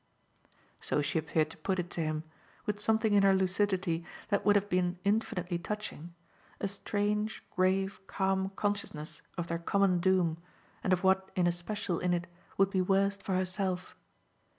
So she appeared to put it to him, with something in her lucidity that would have been infinitely touching; a strange grave calm consciousness of their common doom and of what in especial in it would be worst for herself.